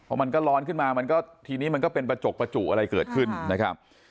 พอมันก็ร้อนขึ้นมามันก็ทีนี้มันก็เป็นประจกประจุอะไรเกิดขึ้นนะครับ